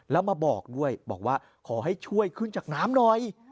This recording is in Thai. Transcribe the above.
แล้วมาบอกด้วยบอกว่าขอให้ช่วยขึ้นจากน้ำหน่อย